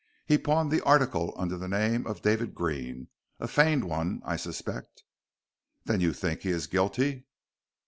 He pawned the article under the name of David Green a feigned one, I suspect." "Then you think he is guilty?"